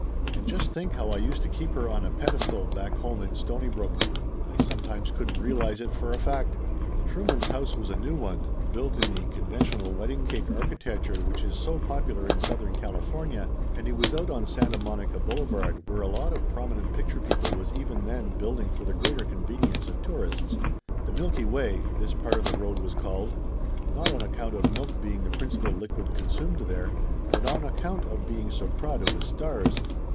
And just think how I used to keep her on a pedestal back home in Stonybrook ! I sometimes couldn't realize it for a fact. The Truemans' house was a new one, built in the conventional wedding cake architecture which is so 149 150 Laughter Limited popular in Southern California, and it was out on Santa Monica Boulevard, where a lot of prominent picture people was even then building for the greater convenience of tourists. The Milky Way, this part of the road was called, not on account of milk being the principal liquid consumed there, but on account of be ing so crowded with stars.